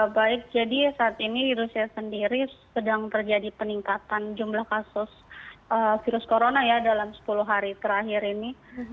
baik jadi saat ini di rusia sendiri sedang terjadi peningkatan jumlah kasus virus corona ya dalam sepuluh hari terakhir ini